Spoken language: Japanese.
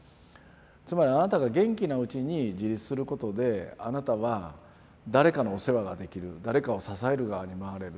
つまりあなたが元気なうちに自立することであなたは誰かのお世話ができる誰かを支える側に回れる。